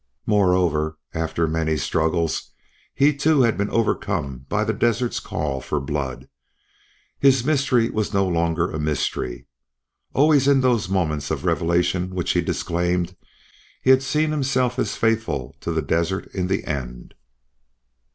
Moreover, after many struggles, he too had been overcome by the desert's call for blood. His mystery was no longer a mystery. Always in those moments of revelation which he disclaimed, he had seen himself as faithful to the desert in the end.